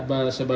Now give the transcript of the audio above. ada rencana dan